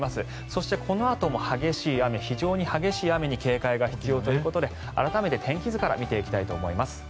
そして、このあとも非常に激しい雨に警戒が必要ということで改めて天気図から見ていきたいと思います。